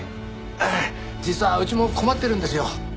ええ実はうちも困ってるんですよ。